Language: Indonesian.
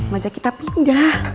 maja kita pindah